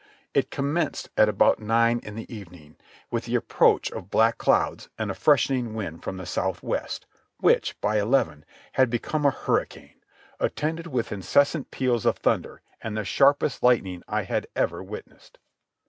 It commenced at about nine in the evening, with the approach of black clouds and a freshening wind from the south west, which, by eleven, had become a hurricane, attended with incessant peals of thunder and the sharpest lightning I had ever witnessed.